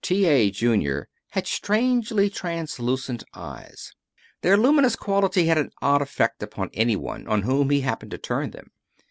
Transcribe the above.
T. A. Junior had strangely translucent eyes. Their luminous quality had an odd effect upon any one on whom he happened to turn them.